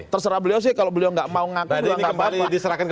terserah beliau sih kalau beliau nggak mau ngaku